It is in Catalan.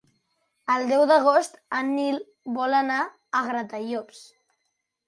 El deu d'agost en Nil vol anar a Gratallops.